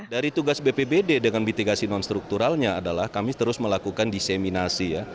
dari tugas bpbd dengan mitigasi nonstrukturalnya adalah kami terus melakukan diseminasi